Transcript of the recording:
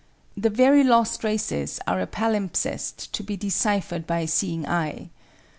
The very lost races are a palimpsest to be deciphered by a seeing eye.